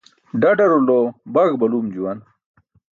ḍaḍarulo baý baluum juwan.